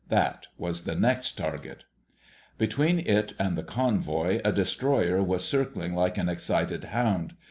That was the next target. Between it and the convoy, a destroyer was circling like an excited hound.